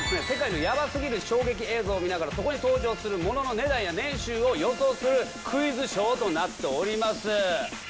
世界のヤバすぎる衝撃映像を見ながらそこに登場するモノの値段や年収を予想するクイズショーとなっております。